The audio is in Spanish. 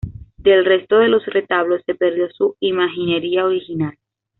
Del resto de los retablos se perdió su imaginería original.